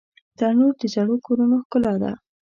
تنور د زړو کورونو ښکلا ده